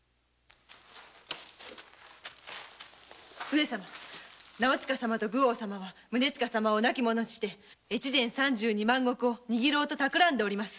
上様直親様と愚翁様は宗親様を亡き者にして越前三十二万石を握ろうと企てております。